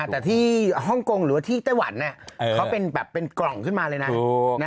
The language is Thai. แต่ที่ฮ่องกงหรือว่าที่ไต้หวันเขาเป็นแบบเป็นกล่องขึ้นมาเลยนะ